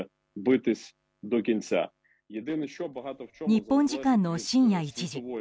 日本時間の深夜１時。